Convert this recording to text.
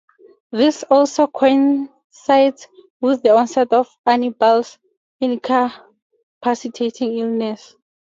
This also coincides with the onset of Annibale's incapacitating illness.